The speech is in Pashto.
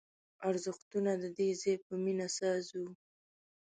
ارزښتونه د دې ځای په مینه ساز وو